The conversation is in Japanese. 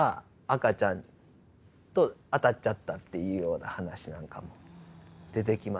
赤ちゃんと当たっちゃったっていうような話なんかも出てきますね。